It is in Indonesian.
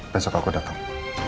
besok aku dateng